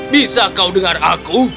bisa kau dengar aku